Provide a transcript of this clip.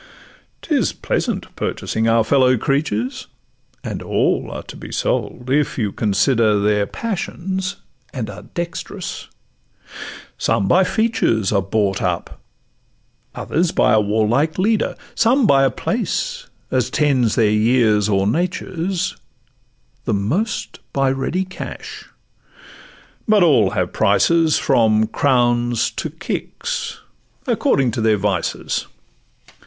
'Tis pleasant purchasing our fellow creatures; And all are to be sold, if you consider Their passions, and are dext'rous; some by features Are bought up, others by a warlike leader, Some by a place—as tend their years or natures; The most by ready cash—but all have prices, From crowns to kicks, according to their vices.